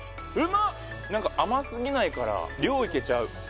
甘すぎないから量いけちゃう